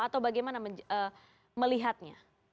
atau bagaimana melihatnya